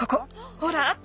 ほらあった。